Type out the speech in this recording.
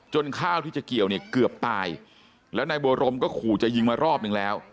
ข้าวที่จะเกี่ยวเนี่ยเกือบตายแล้วนายบัวรมก็ขู่จะยิงมารอบนึงแล้ว